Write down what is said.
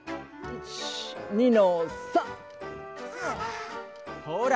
１２の３！ほら！